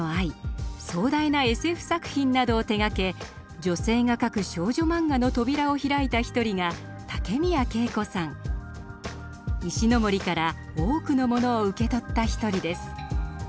壮大なＳＦ作品などを手がけ女性が描く少女漫画の扉を開いた一人が石森から多くのものを受け取った一人です。